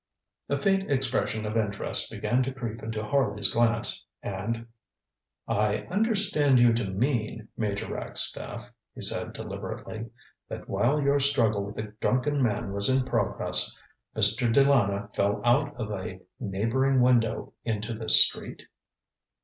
ŌĆØ A faint expression of interest began to creep into Harley's glance, and: ŌĆ£I understand you to mean, Major Ragstaff, ŌĆØ he said deliberately, ŌĆ£that while your struggle with the drunken man was in progress Mr. De Lana fell out of a neighbouring window into the street?